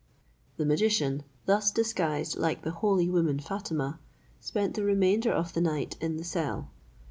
The magician, thus disguised like the holy woman Fatima, spent the remainder of the night in the cell.